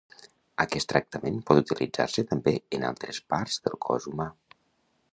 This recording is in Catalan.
Aquest tractament pot utilitzar-se també en altres parts del cos humà.